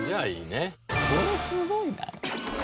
これすごいな。